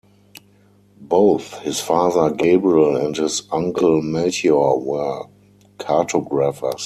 Both his father Gabriel and his uncle Melchior were cartographers.